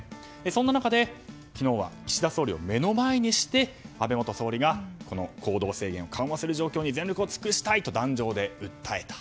そんな中、昨日は岸田総理を目の前にして安倍元総理がこの行動制限を緩和する状況に全力を尽くしたいと壇上で訴えた。